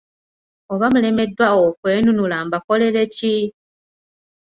Oba mulemeddwa okwenunula mbakolere ki?